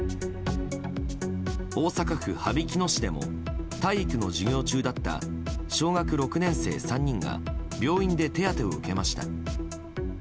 大阪府羽曳野市でも体育の授業中だった小学６年生３人が病院で手当てを受けました。